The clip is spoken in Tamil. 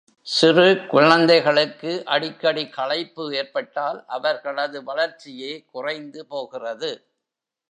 சிறு குழந்தைகளுக்கு அடிக்கடி களைப்பு ஏற்பட்டால் அவர்களது வளர்ச்சியே குறைந்து போகிறது.